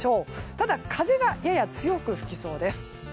ただ風がやや強く吹きそうです。